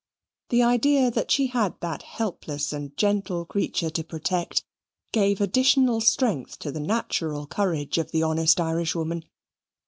The idea that she had that helpless and gentle creature to protect, gave additional strength to the natural courage of the honest Irishwoman.